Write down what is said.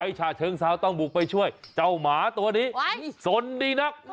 ไอ้ชาเชิงสาวต้องบุกไปช่วยเจ้าหมาตัวนี้สนดีนัก